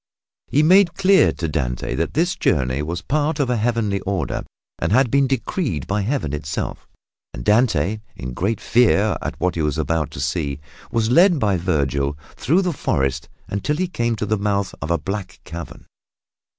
He made clear to Dante that this journey was the part of a Heavenly order and had been decreed by Heaven itself, and Dante, in great fear at what he was about to see, was led by Vergil through the forest until he came to the mouth of a black cavern.